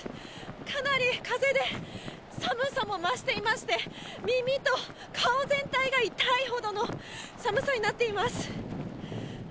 かなり風で寒さも増していまして耳と顔全体が痛いほどの寒さになっています。